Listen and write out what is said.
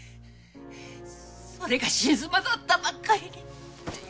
それが静馬だったばっかりに。